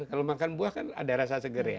kalau makan buah kan ada rasa seger ya